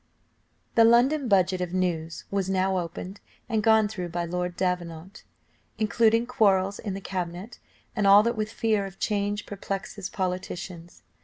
The London budget of news was now opened, and gone through by Lord Davenant, including quarrels in the cabinet and all that with fear of change perplexes politicians.